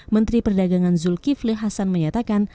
menteri perdagangan zulkifli hasan menyatakan